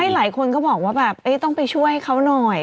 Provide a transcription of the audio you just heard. หลายคนก็บอกว่าแบบต้องไปช่วยเขาหน่อย